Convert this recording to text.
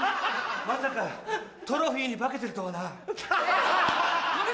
まさかトロフィーに化けてるとはな！